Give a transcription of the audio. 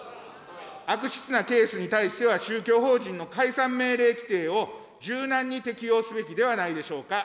悪質なケースに対しては、宗教法人の解散命令規定を柔軟に適用すべきではないでしょうか。